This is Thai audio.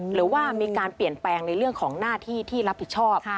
หรือว่ามีการเปลี่ยนแปลงในเรื่องของหน้าที่ที่รับผิดชอบ